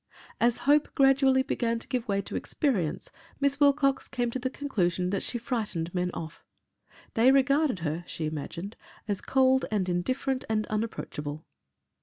As hope gradually began to give way to experience, Miss Wilcox came to the conclusion that she frightened men off. They regarded her, she imagined, as cold and indifferent and unapproachable.